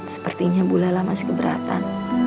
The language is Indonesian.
sepertinya bula masih keberatan